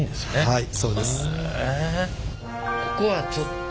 はい！